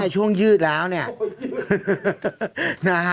ช่วงยืดแล้วเนี่ย